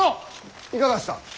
いかがした。